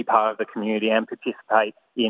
maka anda akan lebih yakin